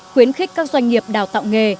khuyến khích các doanh nghiệp đào tạo nghề